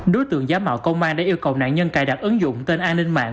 đối tượng giả mạo công an đã yêu cầu nạn nhân cài đặt ứng dụng tên an ninh mạng